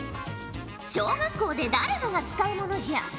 小学校で誰もが使うものじゃ。